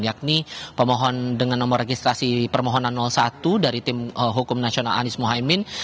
yakni pemohon dengan nomor registrasi permohonan satu dari tim hukum nasional anies mohaimin